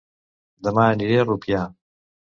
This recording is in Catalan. Dema aniré a Rupià